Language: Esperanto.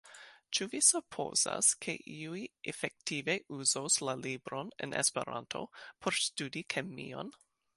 Ĉu vi supozas, ke iuj efektive uzos la libron en Esperanto por studi kemion?